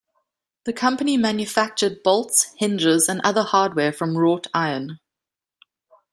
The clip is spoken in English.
The company manufactured bolts, hinges, and other hardware from wrought iron.